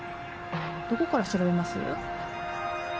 どこから調べます？